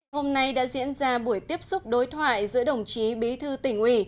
hôm nay đã diễn ra buổi tiếp xúc đối thoại giữa đồng chí bí thư tỉnh ủy